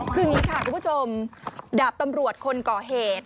คืออย่างนี้ค่ะคุณผู้ชมดาบตำรวจคนก่อเหตุ